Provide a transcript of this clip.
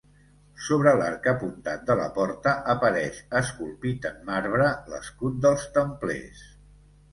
Sobre l'arc apuntat de la porta apareix, esculpit en marbre, l'escut dels Templers.